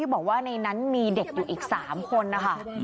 บอกว่าในนั้นมีเด็กอยู่อีก๓คนนะคะ